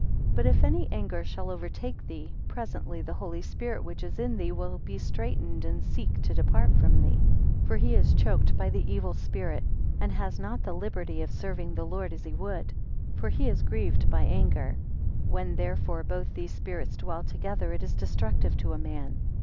3 But if any anger shall overtake thee, presently the Holy Spirit which is in thee will be straightened and seek to depart from thee. 4 For he is choked by the evil spirit, and has not the liberty of serving the Lord as he would; for he is grieved by anger. When, therefore, both these spirits dwell together, it is destructive to a man.